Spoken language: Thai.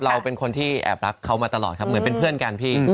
เราเป็นคนที่แอบรักเขามาตลอดครับเหมือนเป็นเพื่อนกันพี่